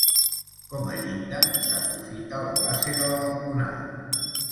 Com a llinda s'aprofita la base de la balconada.